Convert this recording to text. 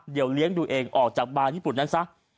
เดี๋ยวเลี้ยงดูเองออกจากบาร์ญี่ปุ่นนั้นซะ